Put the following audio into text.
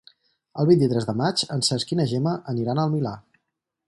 El vint-i-tres de maig en Cesc i na Gemma aniran al Milà.